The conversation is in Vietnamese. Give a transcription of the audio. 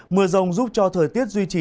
mưa rồng giúp cho thời tiết duy trì